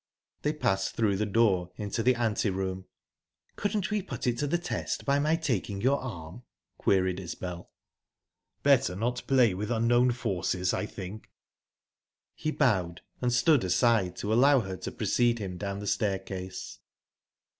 They passed through the door, into the ante room. "Couldn't we put it to the test, by my taking your arm?" queried Isbel. "Better not play with unknown forces, I think." He bowed, and stood aside to allow her to precede him down the staircase.